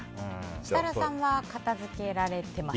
設楽さんは片付けられてます？